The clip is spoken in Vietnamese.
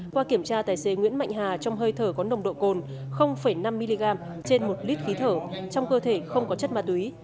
qua kiểm tra tài xế nguyễn mạnh hà trong hơi thở có nồng độ cồn năm mg trên một lít khí thở trong cơ thể không có chất ma túy